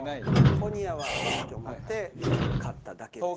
鬼やわ！って思って買っただけです。